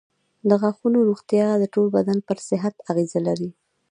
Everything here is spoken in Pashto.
د غاښونو روغتیا د ټول بدن پر صحت اغېز لري.